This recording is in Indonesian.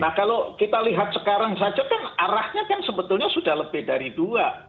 nah kalau kita lihat sekarang saja kan arahnya kan sebetulnya sudah lebih dari dua